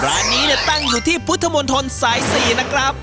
ร้านนี้ตั้งอยู่ที่พุทธมนตรสาย๔นะครับ